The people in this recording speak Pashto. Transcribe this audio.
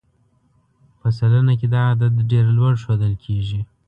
په سلنه کې دا عدد ډېر لوړ ښودل کېږي.